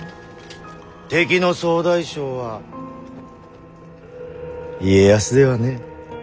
敵の総大将は家康ではねえ。